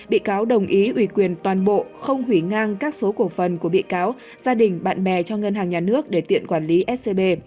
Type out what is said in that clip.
bị cáo đồng ý ủy quyền toàn bộ không hủy ngang các số cổ phần của bị cáo gia đình bạn bè cho ngân hàng nhà nước để tiện quản lý scb